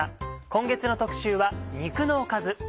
今月の特集は「肉のおかず」。